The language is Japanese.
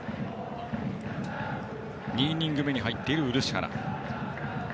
２イニング目に入っている漆原。